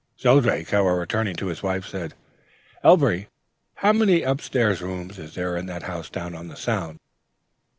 ... "Shelldrake, however, turning to his wife, said, "'Elviry, how many up stairs rooms is there in that house down on the Sound?'